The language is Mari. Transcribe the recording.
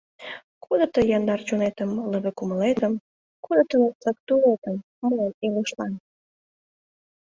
Кодо тый яндар чонетым, лыве кумылетым, Кодо тыныслык тулетым мыйын илышлан.